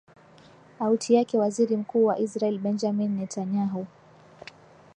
auti yake waziri mkuu wa israel benjamin netanyahu